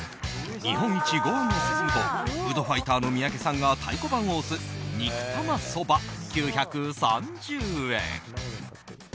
日本一、ご飯が進むとフードファイターの三宅さんが太鼓判を押す肉玉そば、９３０円。